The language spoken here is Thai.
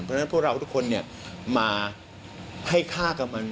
เพราะฉะนั้นพวกเราทุกคนมาให้ค่ากับมัน